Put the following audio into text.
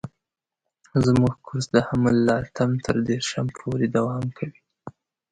زموږ کورس د حمل له اتم تر دېرشم پورې دوام کوي.